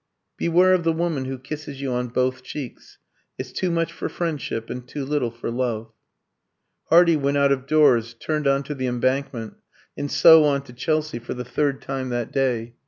"Beware of the woman who kisses you on both cheeks; it's too much for friendship, and too little for love!" Hardy went out of doors, turned on to the Embankment, and so on to Chelsea, for the third time that day.